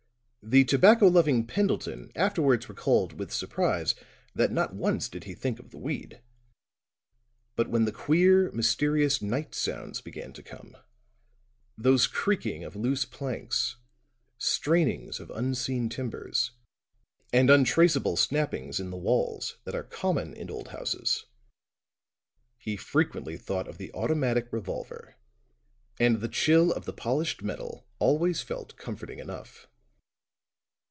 The tobacco loving Pendleton afterwards recalled with surprise that not once did he think of the weed. But when the queer, mysterious night sounds began to come those creakings of loose planks, strainings of unseen timbers and untraceable snappings in the walls, that are common in old houses he frequently thought of the automatic revolver; and the chill of the polished metal always felt comforting enough.